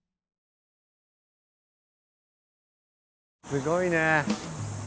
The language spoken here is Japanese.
すごいね。